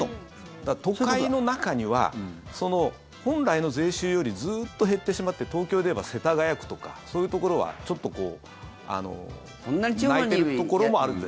都会の中には本来の税収よりずっと減ってしまって東京でいえば世田谷区とかそういうところはちょっと泣いてるところもあるんです。